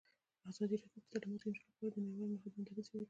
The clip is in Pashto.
ازادي راډیو د تعلیمات د نجونو لپاره د نړیوالو نهادونو دریځ شریک کړی.